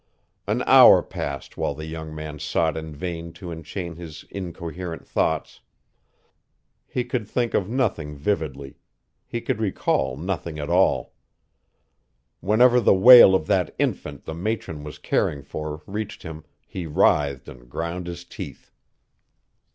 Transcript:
An hour passed while the young man sought in vain to enchain his incoherent thoughts. He could think of nothing vividly. He could recall nothing at all. Whenever the wail of that infant the matron was caring for reached him he writhed and ground his teeth.